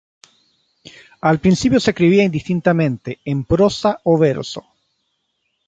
Al principio se escribía indistintamente en prosa o verso.